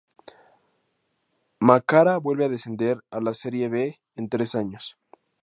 Macará vuelve a descender a la Serie B en tres años.